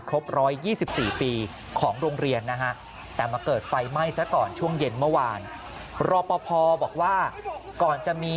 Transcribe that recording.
ครบ๑๒๔ปีของโรงเรียนนะฮะ